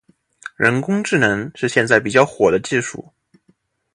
人工智能是现在比较火的技术。